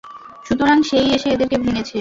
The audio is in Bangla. সুতরাং সে-ই এসে এদেরকে ভেঙ্গেছে।